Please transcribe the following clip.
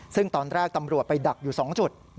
ซึ่งตอนแรกตำรวจไปดักอยู่๒จุด